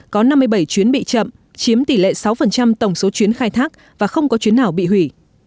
có năm mươi bảy chuyến bị chậm chiếm tỷ lệ sáu tổng số chuyến khai thác và không có chuyến nào bị hủy